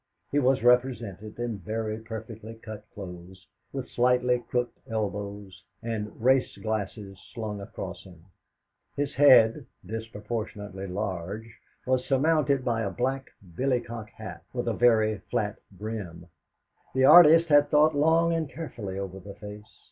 He was represented in very perfectly cut clothes, with slightly crooked elbows, and race glasses slung across him. His head, disproportionately large, was surmounted by a black billycock hat with a very flat brim. The artist had thought long and carefully over the face.